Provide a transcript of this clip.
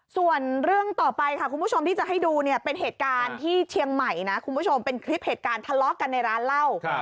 ส่วนเรื่องต่อไปค่ะคุณผู้ชมที่จะให้ดูเนี่ยเป็นเหตุการณ์ที่เชียงใหม่นะคุณผู้ชมเป็นคลิปเหตุการณ์ทะเลาะกันในร้านเหล้า